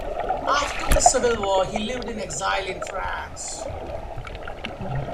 After the civil war he lived in exile in France.